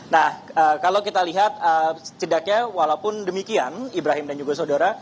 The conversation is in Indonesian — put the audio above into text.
nah kalau kita lihat cedaknya walaupun demikian ibrahim dan juga saudara